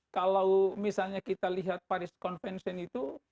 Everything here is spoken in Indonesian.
kalau misalnya kita lihat paris convention itu